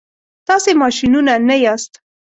تاسي ماشینونه نه یاست.